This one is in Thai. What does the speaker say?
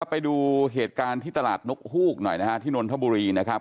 ไปดูเหตุการณ์ที่ตลาดนกฮูกหน่อยนะฮะที่นนทบุรีนะครับ